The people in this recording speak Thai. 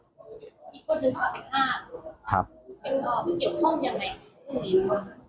อีกคนหนึ่งออกไปทาง๕เป็นต่อไปเกี่ยวข้องยังไง